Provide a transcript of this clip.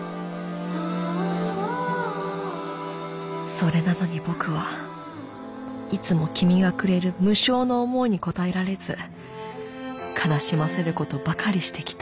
「それなのに僕はいつも君がくれる無償の思いに応えられず悲しませることばかりしてきた」。